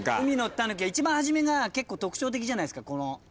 「海」の「狸」は一番初めが結構特徴的じゃないですか。